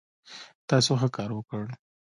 تاسو ښه کار وکړ